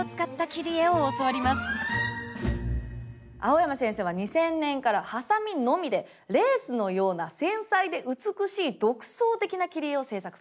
蒼山先生は２０００年からハサミのみでレースのような繊細で美しい独創的な切り絵を制作されています。